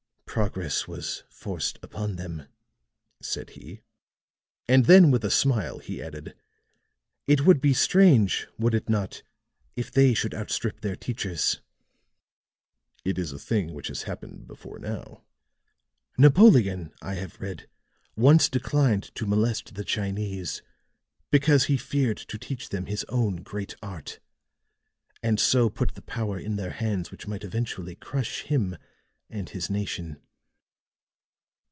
"Progress was forced upon them," said he, and then with a smile, he added: "It would be strange, would it not, if they should outstrip their teachers?" "It is a thing which has happened before now." "Napoleon, I have read, once declined to molest the Chinese because he feared to teach them his own great art, and so put the power in their hands which might eventually crush him and his nation."